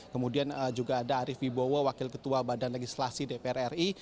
kemudian juga ada arief wibowo wakil ketua badan legislasi dpr ri